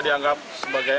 ketika dianggap terlalu banyak